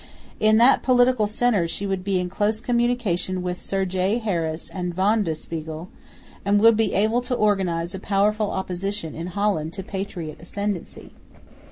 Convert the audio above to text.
In that political centre she would be in close communication with Sir J. Harris and Van de Spiegel, and would be able to organise a powerful opposition in Holland to patriot ascendancy.